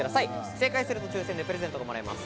正解すると抽選でプレゼントがもらえます。